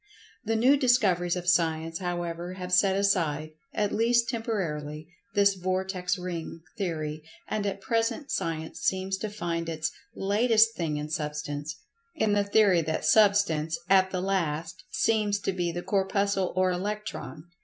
The new discoveries of Science, however, have set aside (at least temporarily) this "vortex ring" theory, and at present Science seems to find its "latest thing in Substance," in the theory that Substance—at the last—seems to be the Corpuscle or Electron.